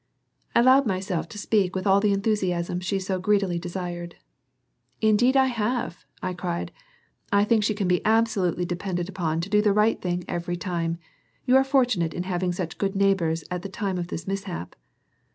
I allowed myself to speak with all the enthusiasm she so greedily desired. "Indeed I have," I cried. "I think she can be absolutely depended on to do the right thing every time. You are fortunate in having such good neighbors at the time of this mishap."